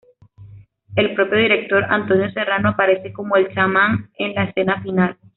El propio director, Antonio Serrano, aparece como el chamán, en la escena final.